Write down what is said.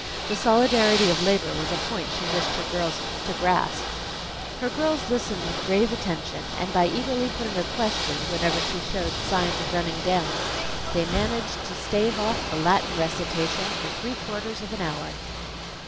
The solidarity of labor was a point she wished her girls to grasp. Her girls listened with grave attention; and by eagerly putting a question, whenever she showed signs of running down, they managed to stave off the Latin recitation for three quarters of an hour.